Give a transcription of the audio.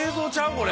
これ。